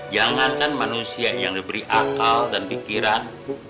jangankan manusia yang diberi akal dan pikiran